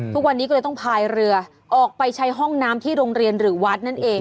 ทุกวันนี้ก็เลยต้องพายเรือออกไปใช้ห้องน้ำที่โรงเรียนหรือวัดนั่นเอง